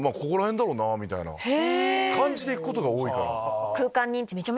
感じで行くことが多いから。